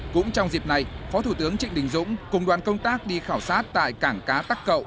cũng trong dịp này phó thủ tướng trịnh đình dũng cùng đoàn công tác đi khảo sát tại cảng cá tắc cậu